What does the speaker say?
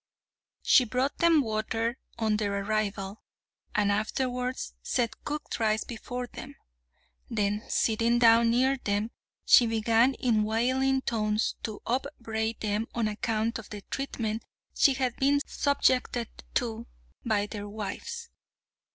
She brought them water on their arrival, and afterwards set cooked rice before them. Then sitting down near them, she began in wailing tones to upbraid them on account of the treatment she had been subjected to by their wives.